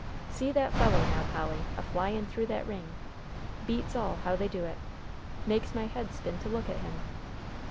See that fellow, now, Polly, a flyin' through that ring. Beats all how they do it. Makes my head spin to look at him.